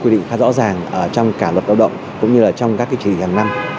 quy định khá rõ ràng trong cả luật lao động cũng như trong các chỉ thị hàng năm